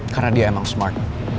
karena dia emang smart